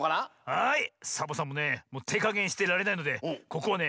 はいサボさんもねてかげんしてられないのでここはね